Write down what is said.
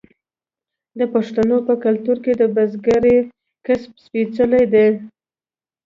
د پښتنو په کلتور کې د بزګرۍ کسب سپیڅلی دی.